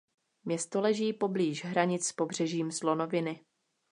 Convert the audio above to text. Město leží poblíž hranic s Pobřežím slonoviny.